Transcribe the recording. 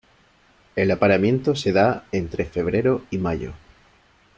El apareamiento se da entre febrero y mayo.